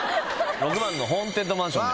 ６番のホーンテッドマンションで。